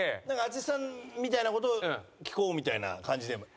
なんか淳さんみたいな事を聞こうみたいな感じで？